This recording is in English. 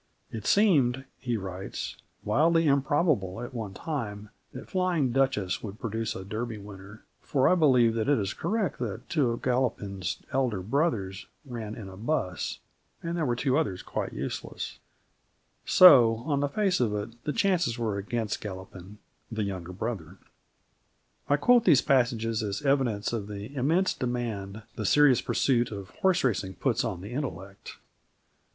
"It seemed," he writes, "wildly improbable at one time that Flying Duchess would produce a Derby winner, for I believe it is correct that two of Galopin's elder brothers ran in a bus, and there were two others quite useless So, on the face of it, the chances were against Galopin, the youngest brother." I quote these passages as evidence of the immense demand the serious pursuit of horse racing puts on the intellect.